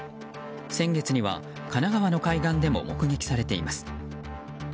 先月には、神奈川の海岸でも目撃されています。